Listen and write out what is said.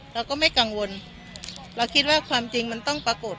เราก็ไม่กังวลเราคิดว่าความจริงมันต้องปรากฏ